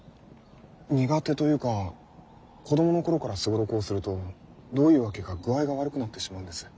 苦手というか子供の頃から双六をするとどういうわけか具合が悪くなってしまうんです。